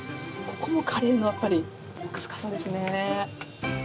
ここもカレーの奥深さですね。